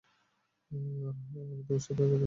আর হ্যাঁ, আমি তোর সাথে দেখা করতে আসব।